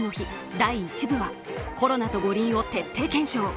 第１部は、コロナと五輪を徹底検証。